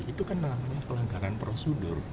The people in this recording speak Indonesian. itu kan namanya pelanggaran prosedur